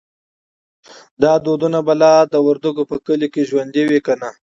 دا دودونه به لا هم د وردګو په کلیو کې ژوندی وي که نه؟